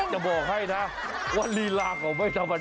จะบอกให้นะวันนี้ลาของไม่ธรรมดาน่ะ